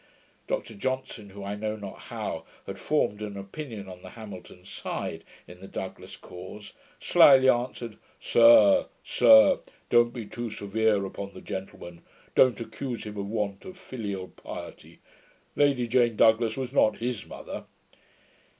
Dr Johnson, who, I know not how, had formed an opinion on the Hamilton side, in the Douglas cause, slily answered, 'Sir, sir, don't be too severe upon the gentleman; don't accuse him of want of filial piety! Lady Jane Douglas was not HIS mother.'